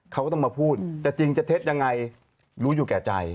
เขาก็ต้องมาพูดจะจริงจะเท็จยังไงรู้อยู่แก่ใจ